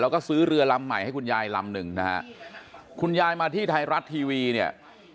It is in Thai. แล้วก็ซื้อเรือลำใหม่ให้คุณยายลำหนึ่งนะฮะคุณยายมาที่ไทยรัฐทีวีเนี่ย